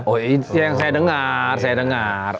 oh ini yang saya dengar